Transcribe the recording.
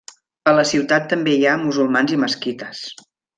A la ciutat també hi ha musulmans i mesquites.